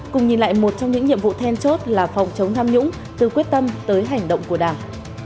cùng nhìn lại một trong những nhiệm vụ then chốt là phòng chống tham nhũng từ quyết tâm tới hành động của đảng